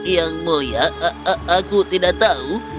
yang mulia aku tidak tahu